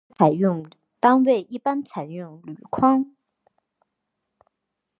单位一般采用铝窗。